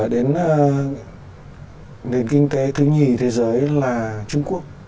đến nền kinh tế thứ nhì thế giới là trung quốc